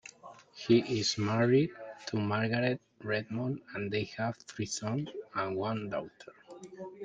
He is married to Margaret Redmond and they have three sons and one daughter.